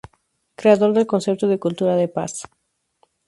Creador del concepto de Cultura de Paz.